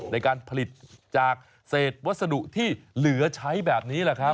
ในการผลิตจากเศษวัสดุที่เหลือใช้แบบนี้แหละครับ